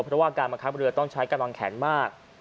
เพราะว่าการบังคับเรือต้องใช้กำลังแขนมาก